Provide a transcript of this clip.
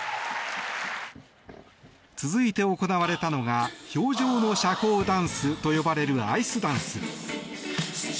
続いて行われたのが氷上の社交ダンスと呼ばれるアイスダンス。